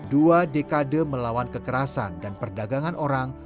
dua dekade melawan kekerasan dan perdagangan orang